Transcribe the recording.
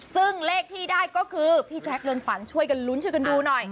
ซึ่งเลขที่ได้ก็คือพี่แจ๊คเรือนขวัญช่วยกันลุ้นช่วยกันดูหน่อย